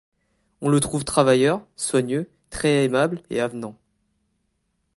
On le trouve travailleur, soigneux, très aimable et avenant.